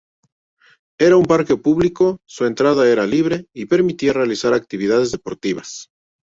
Era un parque público, su entrada era libre, y permitía realizar actividades deportivas.